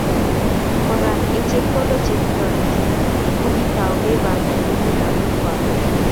Kora eng chepkondok chekikitoreti kokitounee banda nekimi lagokwak